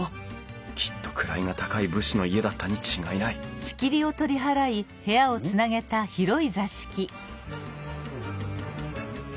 きっと位が高い武士の家だったに違いないん？